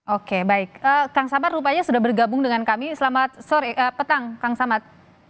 oke baik kang sabar rupanya sudah bergabung dengan kami selamat sore petang kang samad